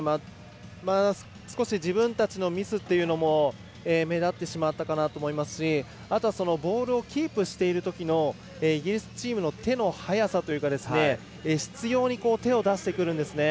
少し自分たちのミスというのも目立ってしまったかなと思いますしあとはボールをキープしているときのイギリスチームの手の早さというか執ように手を出してくるんですね。